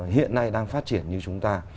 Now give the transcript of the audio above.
hiện nay đang phát triển như chúng ta